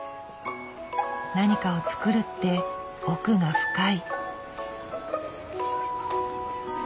何かを作るって奥が深い。